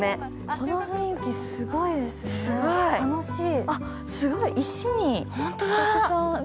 この雰囲気すごいですね、楽しい。